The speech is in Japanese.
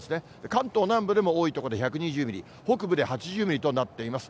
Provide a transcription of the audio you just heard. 関東南部でも多い所で１２０ミリ、北部で８０ミリとなっています。